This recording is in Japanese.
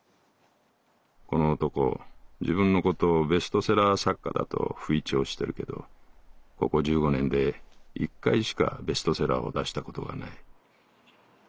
この男自分のことをベストセラー作家だと吹聴してるけどココ十五年で一回しかベストセラーを出したことがない」。